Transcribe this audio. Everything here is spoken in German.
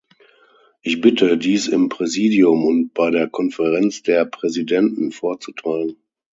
Ich bitte, dies im Präsidium und bei der Konferenz der Präsidenten vorzutragen.